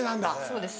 そうです。